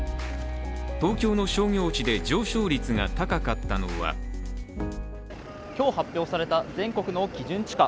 東京の商業地で上昇率が高かったのは今日発表された全国の基準地価。